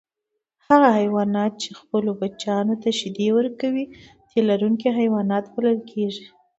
هغه حیوانات چې خپلو بچیانو ته شیدې ورکوي تی لرونکي بلل کیږي